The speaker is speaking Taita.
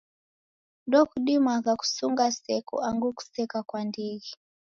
Ndokudimagha kusunga seko angu kuseka kwa ndighi.